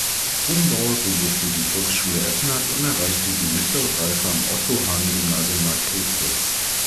Rubenbauer besuchte die Volksschule Ebnath und erreichte die Mittlere Reife am Otto-Hahn-Gymnasium Marktredwitz.